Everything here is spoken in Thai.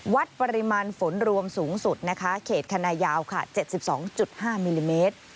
วัดปริมาณฝนรวมสูงสุดเขตคันนายาว๗๒๕มิลลิเมตร